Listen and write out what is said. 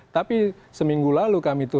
tapi seminggu lalu kami itu